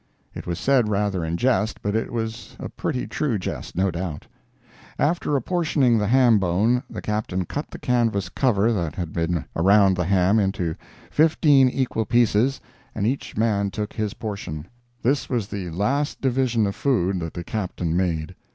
It was said rather in jest, but it was a pretty true jest, no doubt. After apportioning the ham bone, the Captain cut the canvas cover that had been around the ham into fifteen equal pieces, and each man took his portion. This was the last division of food that the Captain made.